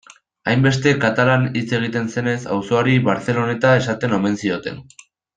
Hainbeste katalan hitz egiten zenez, auzoari Barceloneta esaten omen zioten.